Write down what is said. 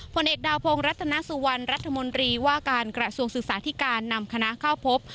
ผลเอกดาวพงศนาสุวรรณรัฐมนตรีว่าการกระทรวงศึกษาธิการนำคณะเข้าพบ